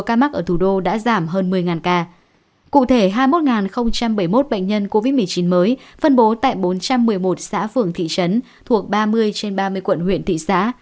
cụ thể hai mươi một bảy mươi một bệnh nhân covid một mươi chín mới phân bố tại bốn trăm một mươi một xã phường thị trấn thuộc ba mươi trên ba mươi quận huyện thị xã